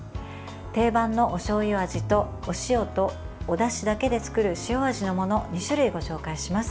定番のおしょうゆ味とお塩とおだしだけで作る塩味のもの、２種類ご紹介します。